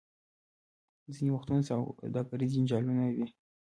ځینې وختونه سوداګریز جنجالونه وي.